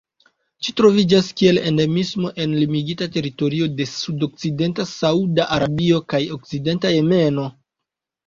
Ĝi troviĝas kiel endemismo en limigita teritorio de sudokcidenta Sauda Arabio kaj okcidenta Jemeno.